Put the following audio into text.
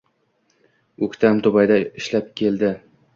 O'ktam Dubayda ishlab keldi